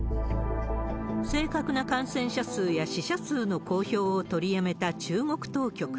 正確な感染者数や死者数の公表を取りやめた中国当局。